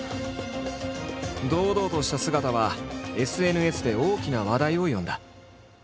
堂々とした姿はＳＮＳで大きな話題を呼んだ。